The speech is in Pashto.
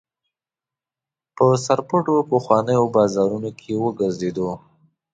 په سرپټو پخوانیو بازارونو کې وګرځېدو.